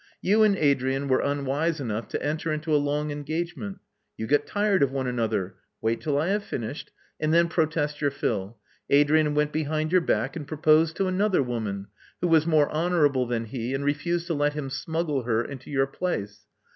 You and Adrian were unwise enough to enter into a long engagement. You got tired of one another — wait till I have finished; and then protest your fill. Adrian went behind your back and proposed to another woman, who was more honorable than he, knd refused to let him smuggle her into your place.